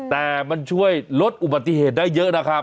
แต่มันช่วยลดอุบัติเหตุได้เยอะนะครับ